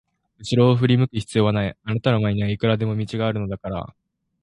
うしろを振り向く必要はない、あなたの前にはいくらでも道があるのだから。